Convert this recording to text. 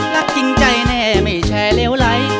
รักจริงใจแน่ไม่แชร์เลวไหล